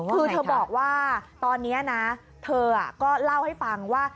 คือเธอบอกว่าตอนนี้นะเธอก็เล่าให้ฟังว่า